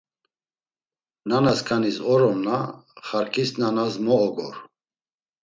Nana skanis orom na, xarǩiş nanas mo ogor!